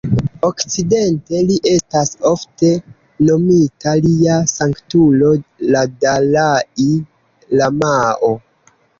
Okcidente, li estas ofte nomita "Lia Sanktulo la Dalai-lamao".